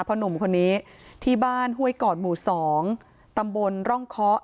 หนุ่มคนนี้ที่บ้านห้วยก่อนหมู่๒ตำบลร่องเคาะ